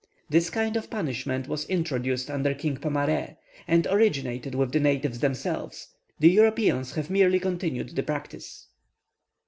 This kind of punishment was introduced under King Pomare, and originated with the natives themselves the Europeans have merely continued the practice.